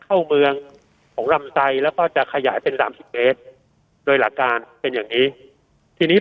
เข้าเมืองของลำไตรแล้วก็จะขยายเป็น๓๐เวตโดยหลาการเป็นอย่างนี้